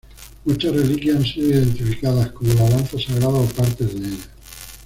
Muchas reliquias han sido identificadas como la lanza sagrada o partes de ella.